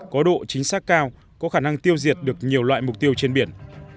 có độ chính xác cao có khả năng tiêu diệt được nhiều loại mục tiêu trên biển